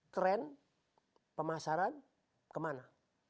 trend pemasaran kemana